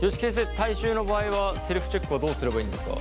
体臭の場合はセルフチェックはどうすればいいんですか？